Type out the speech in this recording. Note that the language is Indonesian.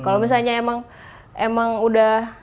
kalau misalnya emang udah